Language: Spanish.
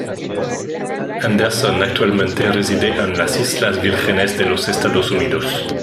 Anderson actualmente reside en las Islas Vírgenes de los Estados Unidos.